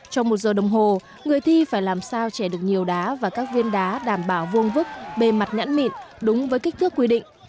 trong một giờ đồng hồ người thi phải làm sao trẻ được nhiều đá và các viên đá đảm bảo vuông vức bề mặt nhẫn mịn đúng với kích thước quy định